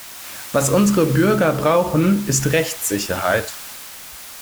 Was unsere Bürger brauchen ist Rechtssicherheit.